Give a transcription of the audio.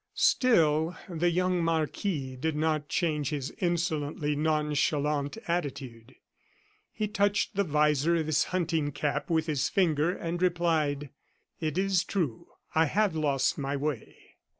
Still the young marquis did not change his insolently nonchalant attitude. He touched the visor of his hunting cap with his finger, and replied: "It is true I have lost my way."